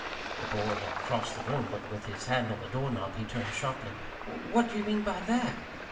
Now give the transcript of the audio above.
The boy had crossed the room; but with his hand on the door knob he turned sharply. "W what do you mean by that?"